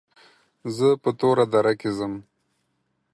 زه په توره دره کې ځم.